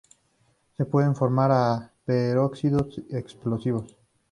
Se pueden formar peróxidos explosivos.